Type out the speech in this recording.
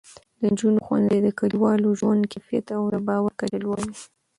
د نجونو ښوونځی د کلیوالو ژوند کیفیت او د باور کچه لوړوي.